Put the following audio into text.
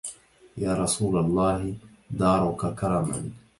يا رسول الله دارك كرما